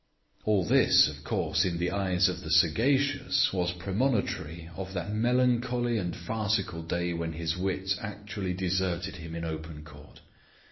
All this, of course, in the eyes of the sagacious, was premonitory of that melancholy and farcical day when his wits actually deserted him in open court.